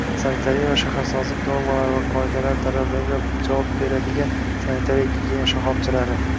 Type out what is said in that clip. sanitariya va shaharsozlik normalari va qoidalari talablariga javob beradigan sanitariya-gigiyena shoxobchalari